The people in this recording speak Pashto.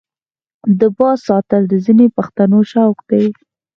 د باز ساتل د ځینو پښتنو شوق دی.